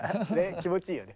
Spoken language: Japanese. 気持ちいいよね。